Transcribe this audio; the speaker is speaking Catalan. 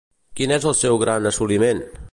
Quin és el seu gran assoliment?